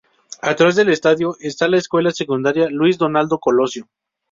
Atrás del estadio está la escuela secundaria Luis Donaldo Colosio.